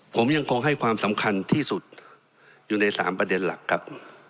ผมยังคงให้ความสำคัญที่สุดอยู่ใน๓ประเด็นหลักครับ